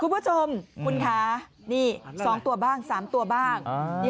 คุณผู้ชมคุณค้านี่สองตัวบ้างสามตัวบ้างอ่า